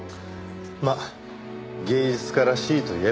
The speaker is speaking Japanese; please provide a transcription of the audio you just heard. まあ芸術家らしいといえばらしい。